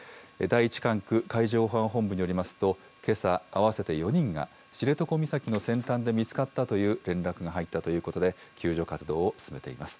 第１管区海上保安本部によりますと、けさ合わせて４人が知床岬の先端で見つかったという連絡が入ったということで、救助活動を進めています。